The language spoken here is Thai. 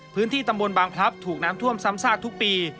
พื้นที่ตำบลบางพลับถูกน้ำท่วมซ้ำซากทุกปี